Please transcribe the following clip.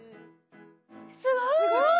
すごい！